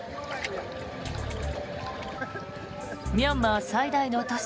ミャンマー最大の都市